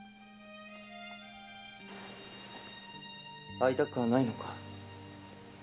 会いたくはないのか？